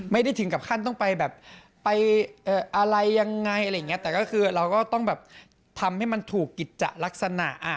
ไม่ได้ถึงกับขั้นต้องไปอะไรอย่างไรแต่เราก็ต้องทำให้มันถูกกิจลักษณะ